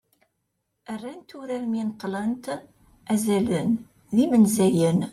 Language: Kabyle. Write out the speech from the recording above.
rrant urar mi neṭṭlent "azalen d yimenzayen"